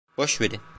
Boş verin.